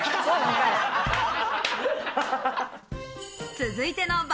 続いての爆